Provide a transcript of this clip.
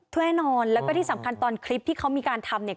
แน่นอนแล้วก็ที่สำคัญตอนคลิปที่เขามีการทำเนี่ย